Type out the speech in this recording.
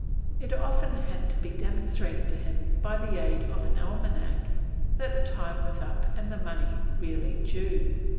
It often had to be demonstrated to him by the aid of an almanac that the time was up and the money really due.